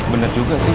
benar juga sih